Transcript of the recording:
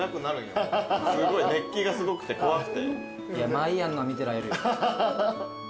まいやんのは見てられるよ。